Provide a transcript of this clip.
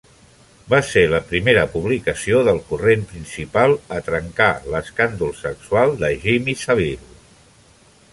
Va ser la primera publicació del corrent principal a trencar l'escàndol sexual de Jimmy Savile.